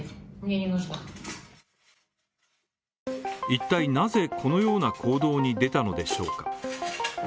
一体なぜこのような行動に出たのでしょうか？